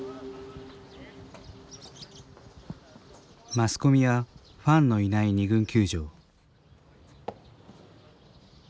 マスコミやファンのいない２軍球場。